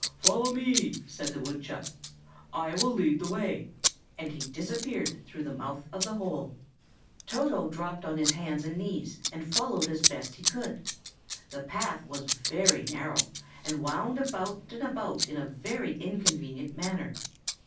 "Follow me," said the woodchuck; "I will lead the way." And he disappeared through the mouth of the hole. Toto dropped on his hands and knees, and followed as best he could. The path was very narrow, and wound about and about in a very inconvenient manner.